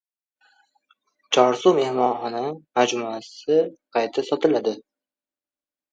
«Chorsu» mehmonxona majmuasi qayta sotiladi